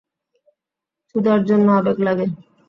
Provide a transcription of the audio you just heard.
চুদার জন্য আবেগ লাগে।